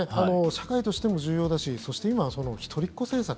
社会としても重要だしそして今、一人っ子政策